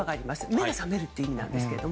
目が覚めるという意味なんですけど。